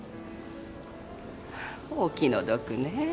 お気の毒ねぇ。